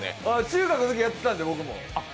中学のときやってたんで、僕も。